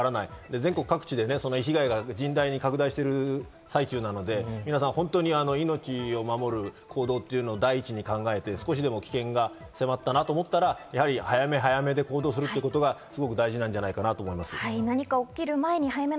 全国各地で被害が甚大に拡大している最中なので、命を守る行動を第一に考えて少しでも危険が迫ったなと思ったら、早め早めで行動するのが大事じゃないかなと思います。